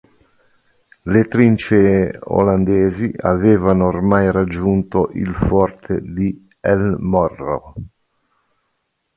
Le trincee olandesi avevano ormai raggiunto il forte di El Morro.